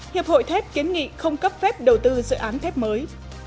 hiệp hội thép kiến nghị không cấp phép đầu tư dự án thép mới